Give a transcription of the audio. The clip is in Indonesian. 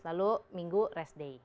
lalu minggu rest day